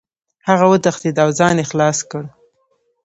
هغه وتښتېد او ځان یې خلاص کړ.